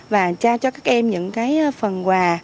và tra cho các em những cái phần quà